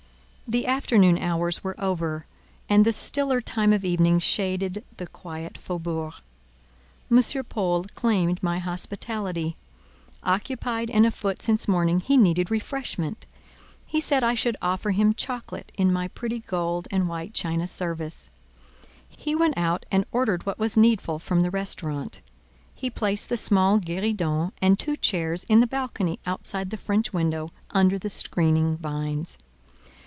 The afternoon hours were over, and the stiller time of evening shaded the quiet faubourg. M. Paul claimed my hospitality; occupied and afoot since morning, he needed refreshment; he said I should offer him chocolate in my pretty gold and white china service. He went out and ordered what was needful from the restaurant; he placed the small guéridon and two chairs in the balcony outside the French window under the screening vines.